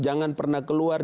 jangan pernah keluar